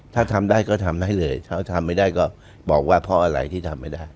ถ้าทำได้ก็ทำได้เลยถ้าทำไม่ได้ก็บอกว่าเพราะอะไรที่ทำไม่ได้